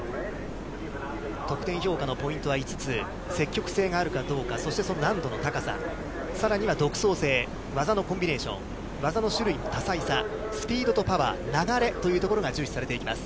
得点評価のポイントは５つ、積極性があるかどうか、そしてその難度の高さ、さらには独創性、技のコンビネーション、技の種類の多彩さ、スピードとパワー、流れというところが重視されていきます。